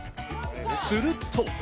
すると。